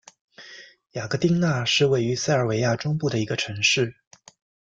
雅戈丁那是位于塞尔维亚中部的一个城市。